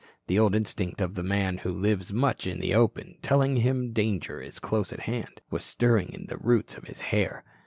The old instinct of the man who lives much in the open, telling him danger is close at hand, was stirring at the roots of his hair.